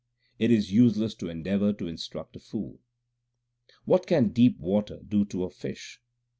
It is useless to endeavour to instruct a fool : What can deep water do to a fish